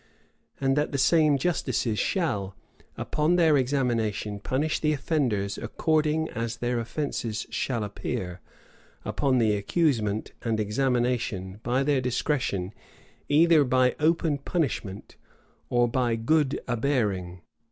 And that the same justices shall, upon their examination, punish the offenders according as their offences shall appear, upon the accusement and examination, by their discretion, either by open punishment or "by good abearing."